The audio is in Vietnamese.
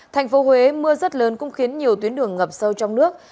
thành phố huế mưa rất lớn cũng khiến nhiều tuyến đường ngập sâu trong nước